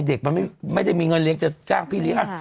เด็กมันไม่ได้มีเงินเลี้ยงจะจ้างพี่เลี้ยง